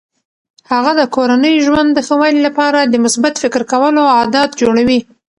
هغه د کورني ژوند د ښه والي لپاره د مثبت فکر کولو عادات جوړوي.